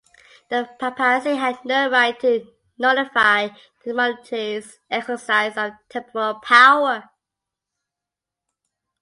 The papacy had no right to nullify the monarchy’s exercise of temporal power.